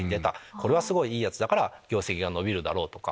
これはすごいいいやつだから業績が伸びるだろうとか。